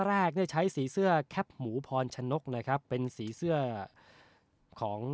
แรกเนี่ยใช้สีเสื้อแคปหมูพรชนกนะครับเป็นสีเสื้อของ